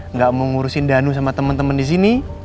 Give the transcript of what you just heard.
nggak mau ngurusin danu sama temen temen di sini